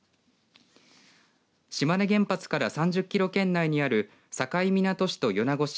島根原発から３０キロ圏内にある境港市と米子市